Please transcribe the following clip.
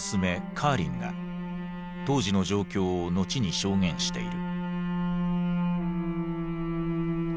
カーリンが当時の状況を後に証言している。